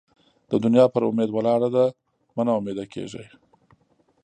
دا دونیا پر اُمید ولاړه ده؛ مه نااميده کېږئ!